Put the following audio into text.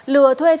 lừa thuê xe